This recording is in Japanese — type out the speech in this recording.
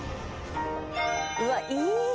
「うわっ！いい！」